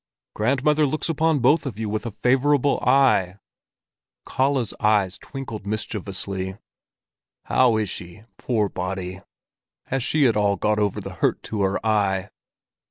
Grandmother looks upon both of you with a favorable eye!" Kalle's eyes twinkled mischievously. "How is she, poor body? Has she at all got over the hurt to her eye?